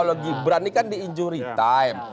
kalau gibran ini kan di injury time